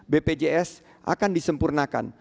bpjs akan disempurnakan